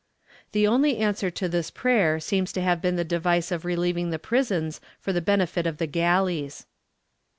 ^ The only answer to this prayer seems to have been the device of relieving the prisons for the benefit of the galleys.